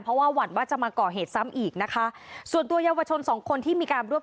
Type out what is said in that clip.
เพราะว่าหวั่นว่าจะมาก่อเหตุซ้ำอีกนะคะส่วนตัวเยาวชนสองคนที่มีการร่วม